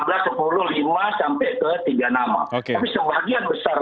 tapi sebagian besar lembaga survei tidak mengkursuskan itu